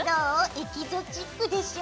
エキゾチックでしょ？